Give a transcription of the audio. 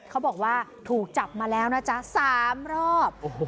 เขาบอกว่าถูกจับมาแล้วน่ะจ๊ะสามรอบโอ้โห